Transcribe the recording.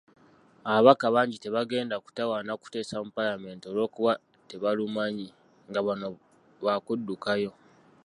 Ababaka bangi tebagenda kutawaana kuteesa mu paalamenti olwokuba tebalumanyi, nga bano bakuddukayo.